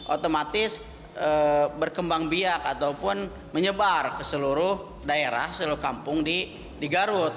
seribu sembilan ratus tiga puluh otomatis berkembang biak ataupun menyebar ke seluruh daerah seluruh kampung di garut